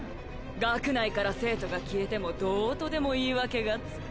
学内から生徒が消えてもどうとでも言い訳がつく